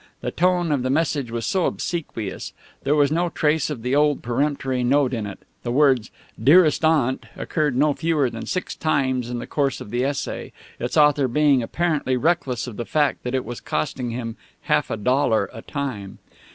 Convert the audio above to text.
The tone of the message was so obsequious. There was no trace of the old peremptory note in it. The words "dearest aunt" occurred no fewer than six times in the course of the essay, its author being apparently reckless of the fact that it was costing him half a dollar a time.